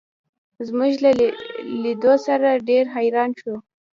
زموږ له لیدو سره ډېر حیران شو.